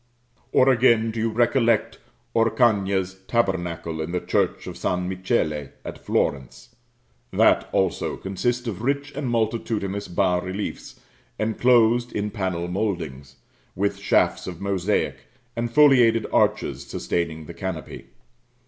Or, again, do you recollect Orcagna's tabernacle in the church of San Michele, at Florence? That, also, consists of rich and multitudinous bas reliefs, enclosed in panel mouldings, with shafts of mosaic, and foliated arches sustaining the canopy.